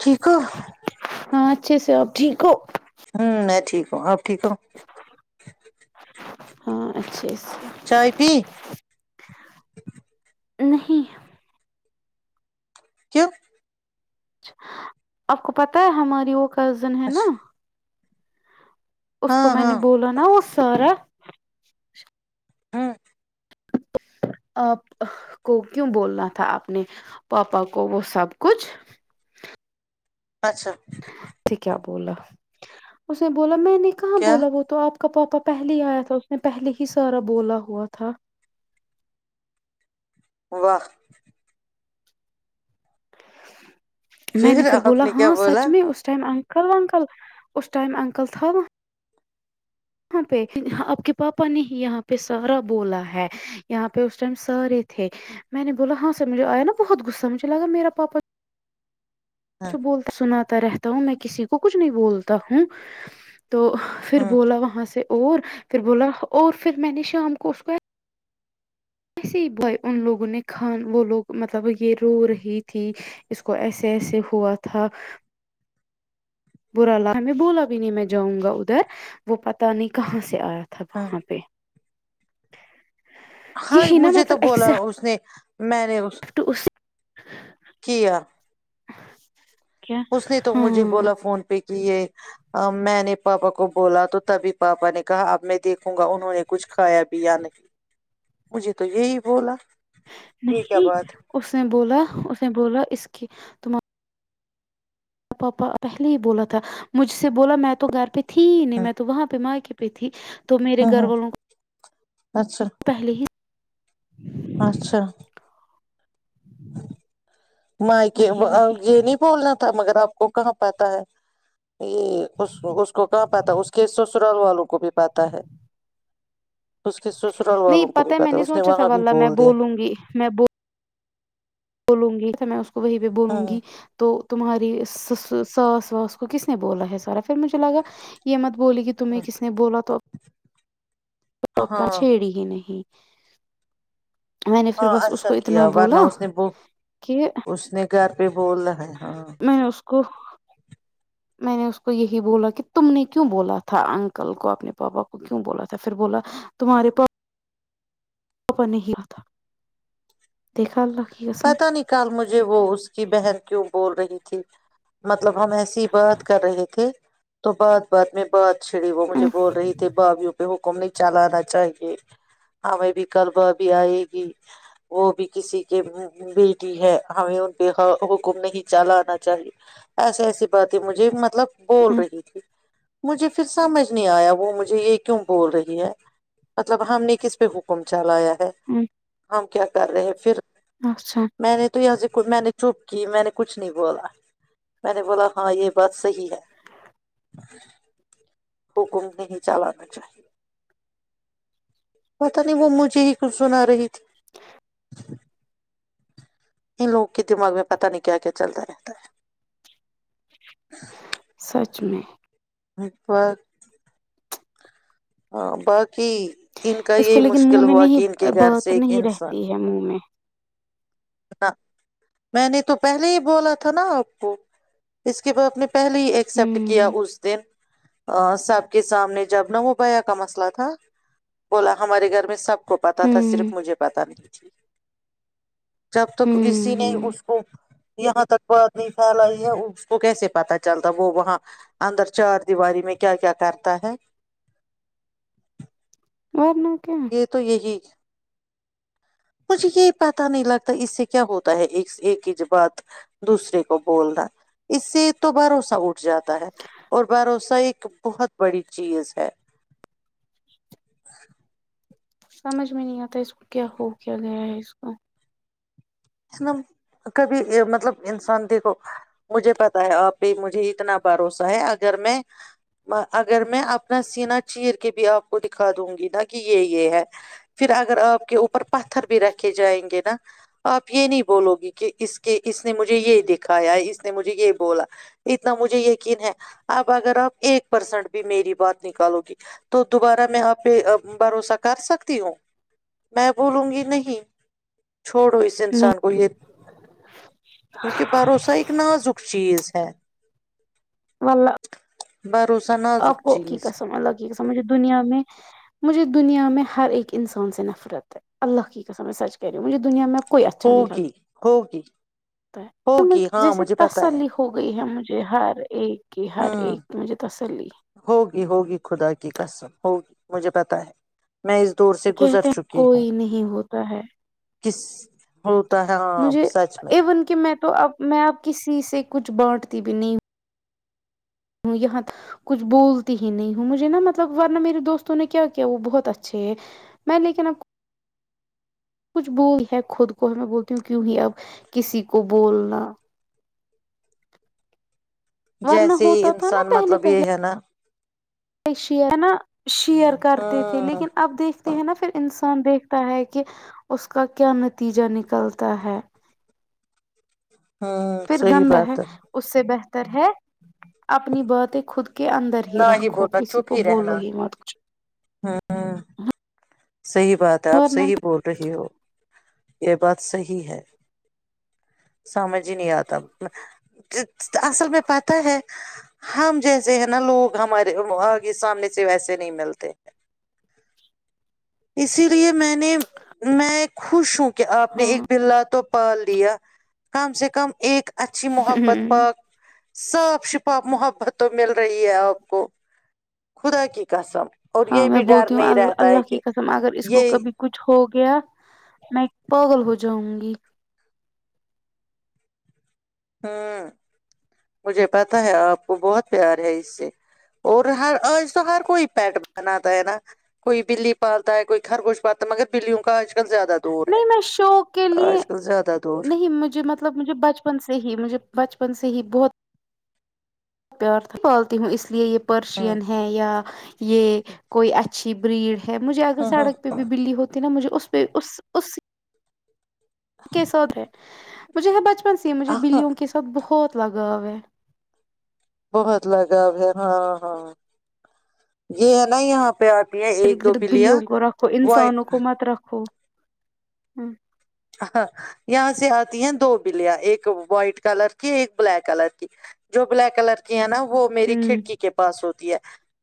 ٹھیکو ہاں اچھے سے آپ ٹھیک ہو ہوں میں ٹھیک ہوں آ ٹھیک ہو ہاں اچھے سے چائے پی [inaudible] نہیں کیوں اچ آپ کو پت ہے ہماری وہ کا کزن ہے نا اچھا اس کو ہاں میں ہاں نے بولا نا وہ سارا [inaudible] ہوں آپ کو کیوں بولنا تھا اپنے پاپا کو وہ سب کچھ اچھا تھ کیا بولا اس نے بولا میں نے کہاں کیا بولا وہ تو آپ کا پاپا پہلے ہی آیا تھا اس نے پہلے ہی سارا بولا ہوا تھا [unintelligible] واہ [inaudible] میں نے پھر آپ بولا کیا ہاں سچ بولا میں اس ٹائم [unintelligible] کرو انکل اسس ائم ا انکل تھا [inaudible] یہاں پہ آپ کے پاپا نے ہی یہاں پہ سارا بولا ہے یہاں پہ اس ٹائم سارے تھے میں نے بولا ہاں سے مجھے آیا نا بہت غصہ مجھے لگا میرا پاپا [unintelligible] ہاں کچھ بول سناات [unintelligible] رہتا ہوں میں کسی کو کچھ نہیں بولتا ہوں [unintelligible] تو پھر ہاں بولا وہاں سے [inaudible] اور پھر بولا اور پھر میں نے شام کو اس کو [unintelligible] [unintelligible] برا ل ہمیں بولا بھی نہیں میں جاؤں گا ادھر وہ پتہ نہیں کہاں سے [unintelligible] سے آیا تھا ہاں وہاں پہ [unintelligible] ہاں یہی نا مجھے تو مطلب بولا ایکسپٹ اس نے [unintelligible] میں نے اس [inaudible] کیا [inaudible] اس نے تو مجھے ہاں بولا فون پہ [unintelligible] کہ یہ میں نے پاپا کو بولا تو تبھی پاپا نے کہا اب میں دیکھوں گا انہوں نے کچھ کھایا بھی یا نہیں مجھے تو یہی بولا [inaudible] یہ کیا نہیں بات اس نے بولا اس نے بولا اس [unintelligible] کہ تم [inaudible] پاپا پہلے ہی بولا تھا مجھ سے بولا میں تو گھر پہ [unintelligible] تھی نہیں میں تو وہاں پہ ماں کے [unintelligible] پتھی [inaudible] تو میرے ہاں گھر ہاں والوں اچھا کو پہلے ہی [unintelligible] اچھا [inaudible] مائک وہی وہی یہ نہیں بولنا [unintelligible] مگر آپ کو کہاں پاتا ہے یہ اس کو کہاں پاتا اس کے سسرال والوں کو بھی پاتا ہے [unintelligible] سسرال نہیں والوں کو بھی پتا ہے میں نہیں اس نے سوچا تھا وہاں بھی والا میں بول دیا بولوں گی میں ب [unintelligible] بولوں گی تو میں [unintelligible] وہی پ بولوں ہاں گی تو [inaudible] تمہاری ساس واس کو کس نے بولا ہے ساراف [unintelligible] پھر مجھے لگا یہ مت بولی کہ تمہیں کس نے بولا تو [unintelligible] پکا ہاں چھیڑی ہی نہیں [inaudible] میں نے پھر ہاں بس اس اچھا کو کیا اتنا ورنہ بولا اس نے ب اس نے گھر [unintelligible] پ بول رہ ہیں [unintelligible] نہیں اس [unintelligible] میں نے اس کو یہی بولا کہ تم نے کیوں بولا تھا انکل کو اپنے پاپا کو کیوں بولا تھا پھر بولا تمہارے پ [unintelligible] نہیں تھا دیکھا [unintelligible] پتا نہیں کل مجھے وہ اس کی بہن کیوں [unintelligible] بول رہی تھی مطلب ہم ایسی ہی بات کر رہے تھے تو بات بات میں بات [unintelligible] چھڑی وہ مجھے بول رہی تھی باویوں پہ ہو [unintelligible] کو نہیں چلانا چاہیے ہمیں بھی کبا بھی آئے گی وہ بھی کسی [unintelligible] بیٹی ہے ہمیں ان پہ حکم نہیں چلانا چاہیے ایسسی ایسی باتیں مجھے م [unintelligible] مطلب بول رہی تھی [unintelligible] مجھے پھر سمجھ نہیں آیا وہ مجھے یہ کیوں بول رہی ہے مطلب ہم نے کس پہ حکم چلایا [unintelligible] ہم کیا [unintelligible] کر رہے ہیں پھر [unintelligible] اچھا میں نے تو یہج [unintelligible] میں نے چپ کی میں نے کچھ نہیں بولا میں نے بولا ہاں یہ بات صحیح ہے [unintelligible] [unintelligible] حکم نہیں چلانا چاہیے پتا نہیں وہ مجھے ہی کچھ سنا رہی تھی [unintelligible] [unintelligible] ان لوگوں کے دماغ میں پت نہیں کیا کیا چلتا رہتا ہے [unintelligible] سچا [unintelligible] پچ میں [unintelligible] ا بر [unintelligible] ہاں ب [unintelligible] اس کو لیکن منہ میں نہیں کہ ان کے گھر سے بت ایک نہیں رہتی ہے منہ میں ہاں [unintelligible] میں نے تو پہلے ہی بولا تھا نا آپ کو اس کے بعد اپنے پہلے ہی ایکسپٹ کیا ہوں اس دن سب کے سامنے جب نہ ہو پایا کا مسئلہ تھا بولا ہمارے گھر میں سب [unintelligible] کو پتاہ تھا ہوں صرف مجھے پتاہ نہیں تھی جب توک ہوں اسی نے ہوں یہاں تک بات نہیں پھیلائی ہے اس کو کیسے پتا چلتا وہ وہاں اندر چار دیواری میں کیا کیا کرتا ہے بور ن یہ تو یہی مجھے یہ پتاہ نہیں لگتا اس سے کیا ہوتا ہے ایک سے ایک ہی ج بات دوسرے کو بولنا اس سے تو بھروسہ اٹھ جاتا ہے اور بھروسہ ایک بہت بڑی چیز ہے سمجھ میں نہیں آتا اس کو کیا ہو کیا گیا ہے اس کو ن کبھی مطلب انسان دیکھو مجھے پتا ہے آپ بھی مجھے اتنا بھروسہ ہے اگر میں اگر میں اپنا سینا چیر کے بھی آپ کو دکھا دوں گی نا کہ یہ یہ ہے پھر اگر آپ کے اوپر پتھر بھی رکھے جائیں گے نا آپ یہ نہیں بولو گی کہ اس کے اس نے مجھے یہ دکھایا اس نے مجھے یہ بولا اتنا مجھے یقین ہے اب اگر آپ ایک پرسینٹ بھی میری بات نکالو گی تو دوبارہ میں آپ پہ بھروسہ کر سکتی ہوں میں بولوں گی نہیں چھوڑو انسان گوو یہیت کیونکہ بھروسہ اک نازک چیز سھ مل [unintelligible] برو آقیک سمھ اللہ کییک سمجھے دنیا میں مجھے دنیا میں ہر ایک انسان سے نفرت ہے اللہ کی قسم میں سچ کہہ رہی ہوں مجھے دنیا میں کوئی اچھا نہیں ہوگ لگا ہوگی ہوگی ہاں جیسے مجھے پتا ہے تسلی ہو گئی ہے مجھے جی ہر ایک کی ہر ہوں ایک کی مجھے تسلی ہے۔ ہوگی ہوگی خدا کی کسم ہوگی مجھے پتہ ہے میں اس دور سے گزر کہتے ہیں چکی ہوں کوئی نہیں ہوتا ہے کس [unintelligible] ہے ہاں مجھے سچ میں ایون کہ میں تو آپ میں آب کسی سے کچھ بانٹتی بھی نہیں ہوں ہوں یہاں کچھ بولتی ہی نہیں ہوں مجھے نا مطلب ورنہ میرے دوستوں نے کیا کیا وہ بہت اچھے ہے میں لیکن اب کچھ بول ہے خود کو ہے میں بولتی ہوں کیوں ہی اب کسی کو بولنا ورنہ جیسے ہوتا انسان مطلب یہ ہے نا ایش ہے نا شیئر کرتے تھے ہوں لیکن اب دیکھتے ہیں نا پھر ان ان دیکھتا ہے کہ اس کا کیا نتیجہ نکلتا ہے ج پھر گندا ہے اس سے بہت ر ہے اپنی بات خود کے اندر ہی نہ رکھو بولنا کسی چپ کو بولو رہنا ہی مر ہ صحیح بات ہے آپ صحیح بول رہے ہو یہ بات صحی ہے سمجھ ہی نہیں آتا اصل میں پتا ہے ہم جیسے ہیں نا لوگ ہمارے آگے سامنے سے ویسے نہیں ملتے ہیں اسی لیے میں نے میں خوش ہوں کہ آپ نے ہاں ایک بللا تو پال دیا کم سے کم ایک اچھی محبت پاک صاف شفاف محبت تو مل رہی ہے آپ کو خدا کی قسم اور یہ بھی ڈر نہیں رہتا ہے کم اگر اس کو یہ کبھی کچھ ہو گیا میں ایک پاگل ہو جاؤں گی ہ مجھے پتا ہے آپ کو بہت پیار ہے اس سے اور ہر آج تو ہر کوئی پیٹ بناتا ہے نا کوئی بلی پالتا ہے کوئی گر کچھ پالتا ہے مگر بلیوں کا آج کل زیادہ دور ہے نہیں میں شوق کے لیے آج کل زیادہ دور نہیں مجھے مطلب مجھے بچپن سے سے ہی مجھے بچپن سے ہی بہت پیار تھا پالتی ہوں اس لیے یہ ہاں پرشین ہیں یا یہ کوئی اچھی بریڈ ہے مجھے اگر ہاں سڑک پہ بھی بلی ہو نا مجھے اس پہ اس اس کسودرے مجھے یہ بچپن سے مجھے ہاں بلیوں کےاتھ بہت لگاویں بہت لگاؤ ہے ہاں ہاں یہ ہے نا یہاں پہ آ ارد گرد بلیوں کو رکھو انسانوں کو مت رکھو ہوں ہاں یہاں سے آتی ہیں دو بلیاں ایک وائٹ کلر کی ایک بلیک کلر کی جو بلیک کلر کی ہے نا وہ میری ہوں کھڑکی کے پاس ہوتی ہے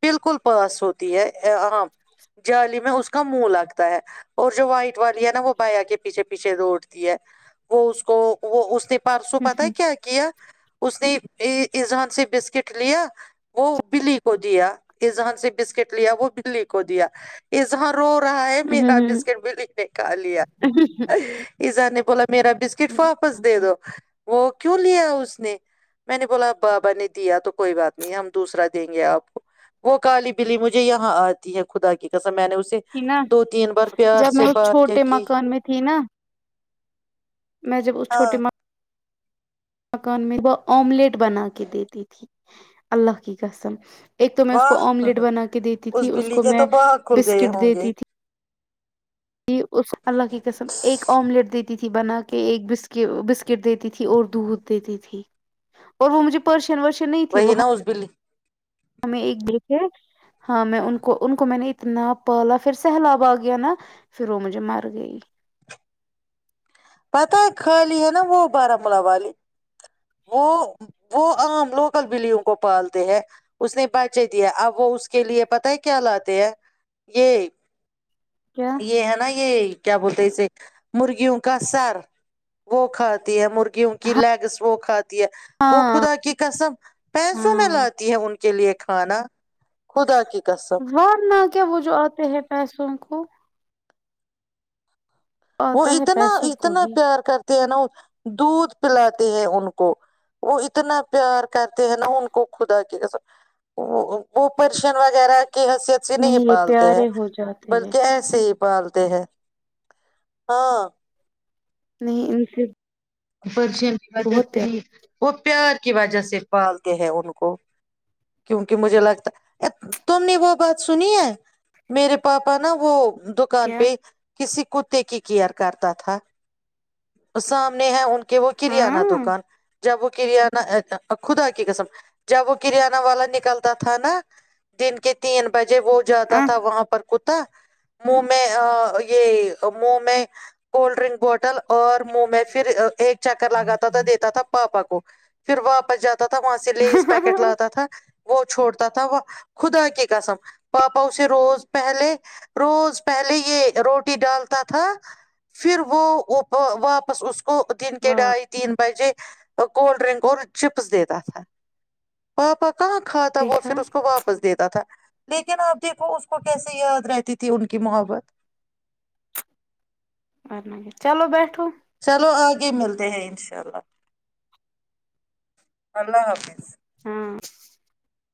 بالکل پاس ہوتی ہے ہ جالی میں اس کا منہ لگتا ہے اور جو وائٹ والی ہے نا وہ بیا کے پیچھے پیچھے دوڑتی ہے وہ اس کو وہ اس پرسوں پتا ہے کیا کیا ہے اس نے ایذان سے بسکٹ لیا وہ بلی کو دیا اذہان سے بسکٹ لیا وہ بلی کو دیا اذہان رو رہا ہے میرا ہوں بسکٹ بھی لکھ کے کھا لیا یہ جانے میرا بسکٹ واپس دے ہوں دو وہ کیوں لیا اس نے میں نے بولا بابا نے دیا تو کوئی بات نہیں ہم دوسرا دیں گے آپ کو وہ کالی بلی مجھے یہاں آتی ہے خدا کی میں نے اسے تھی نا دو تین بار پیار جب میں سے اس بات کیا چھوٹے کی مکان میں تھی نا میں جب اس ہاں چھوٹی ماں مکان میں وہ آملیٹ بنا کے دیتی تھی اللہ کی قسم ایک تو میں اس کو واہ آملیٹ بنا کے دیتی تھی اس بلی کو کے میں تو باغ کھل گئے بسکٹ ہوں گے دیتی تھی جی اس اللہ کی قسم ایک آملیٹ دیتی تھی بنا کے ایک بس بسکٹ دیتی تھی اور دودھ دیتی تھی اور وہ مجھے پرشین ورش وہی نا اس بلی ہمیں ایک بی تھے ہاں میں ان کو ان کو میں نے اتنا پالا پھر سہلاب آ گیا نا پھر وہ مجھے مر گئی پتہ ہے خالی ہے نا وہ بارمولہ والی وہ وہ عام لوکل بلیوں کو پالتے ہے اس نے پچے د اب وہ اس کے لیے پت ہے کیا لاتے ہیں یہ کیا یہ ہے نا یہ کیا بولتے اسے مرغیوں کا سر وہ کھاتی ہے مری گ کی لیگس وہ کھاتی ہے وہ ہاں خدا کی کسم پینسوں میں ہاں لاتی ہے ان کے لیے کھانا خدا کی قسب ورنہ کیا وہ جو آتے ہیں پیسوں کو وہ آتا ہے اتنا پیسوں کو اتنا ہی پیار کرتا نا دودھ پلاتے ہیں ان کو وہ اتنا پیار کرتے ہیں نا ہن کو خود س وہ پرشن وغیرہ کی حیثیت سے نہیں یہ پالتے ہیں پیارے ہو جاتے ہیں بلکہ ایسے ہی پالتے ہیں ہاں نہیں ان سے پشن کی بہت پیار جس وہ پیار کی وجہ سے پالتے ہیں ان کو کیونکہ مجھے لگتا ا تم نے وہ بات سنی ہے میرے پاپا نا وہ دکان کیا پہ کسی کتے کی کیئر کرتا تھا سام ہیں ان کو کہ وہ کرانہ ہاں دکان جب وہ کرانہ خدا کی قسم جب وہ کرانہ والا نکلتا تھا نا دن کے تین بجے مھ وہ جاتا ا تھا وہاں پر کتا منہ میں یہ منہ میں کولڈ ڈرنک بوٹل اور منہ میں پھر ایک چکر لگاتا تھا دیتا تھا پاپا کو پھر واپس جات تھا وہاں سے لیز پیکٹ لگاتا تھا وہ چھوڑتا تھا وہ خدا کی قسم پاپا اسے روز پہلے روز پہلے یہ روٹی ڈالتا تھا پھر وہ واپس اس دن کے ڈھائی تین بجے کوڈ ڈرنک ک چپس دی تت پاپک کہاں کھا تھا وہ دیکھا پھر اس کو واپس دیتا تھا لیکن آپ دیکھو اس کو کیسے یاد رہتی تھی ان کی محبت چلو بیٹھو چلو آگے ملتے ہیں انشاء اللہ اللہ حافظ ہاں